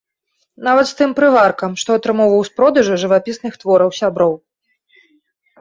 Нават з тым прываркам, што атрымоўваў з продажу жывапісных твораў сяброў.